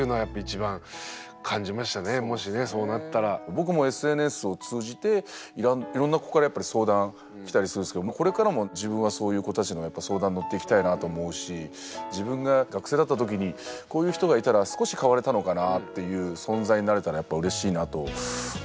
僕もＳＮＳを通じていろんな子からやっぱり相談来たりするんですけどこれからも自分はそういう子たちのやっぱ相談乗っていきたいなと思うし自分が学生だった時にこういう人がいたら少し変われたのかなっていう存在になれたらやっぱうれしいなと思うんですよね。